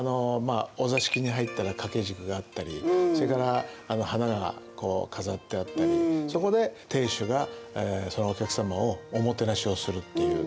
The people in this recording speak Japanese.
お座敷に入ったら掛け軸があったりそれから花が飾ってあったりそこで亭主がそのお客様をおもてなしをするっていう。